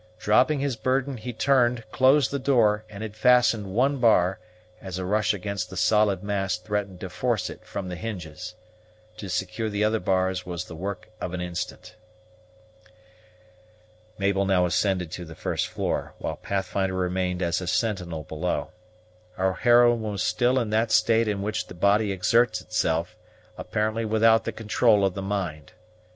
Dropping his burden, he turned, closed the door, and had fastened one bar, as a rush against the solid mass threatened to force it from the hinges. To secure the other bars was the work of an instant. Mabel now ascended to the first floor, while Pathfinder remained as a sentinel below. Our heroine was in that state in which the body exerts itself, apparently without the control of the mind.